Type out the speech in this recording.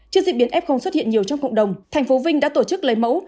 trước diễn biến f xuất hiện nhiều trong cộng đồng thành phố vinh đã tổ chức lấy mẫu